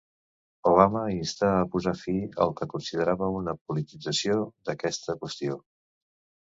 Obama instà a posar fi al que considerava una politització d'aquesta qüestió.